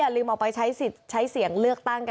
อย่าลืมเอาไปใช้เสียงเลือกตั้งกัน